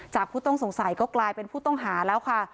ผู้ต้องสงสัยก็กลายเป็นผู้ต้องหาแล้วค่ะ